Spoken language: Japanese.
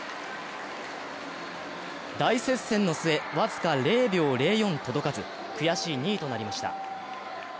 大接戦の末、僅か０秒０４届かず、悔しい２位となりました。